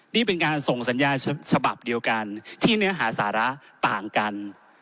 นี่เป็นการส่งสัญญาฉบับเดียวกันที่เนื้อหาสาระต่างกัน